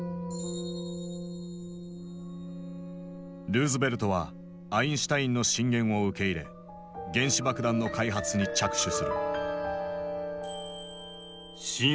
ルーズベルトはアインシュタインの進言を受け入れ原子爆弾の開発に着手する。